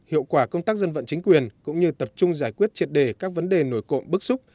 hiệu quả công tác dân vận chính quyền cũng như tập trung giải quyết triệt đề các vấn đề nổi cộng bức xúc